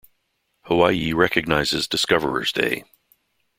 Hawaii recognizes Discoverer's Day.